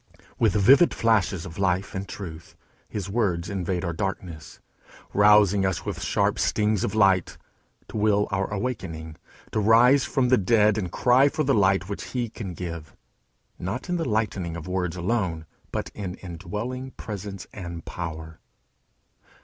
With vivid flashes of life and truth his words invade our darkness, rousing us with sharp stings of light to will our awaking, to arise from the dead and cry for the light which he can give, not in the lightning of words only, but in indwelling presence and power.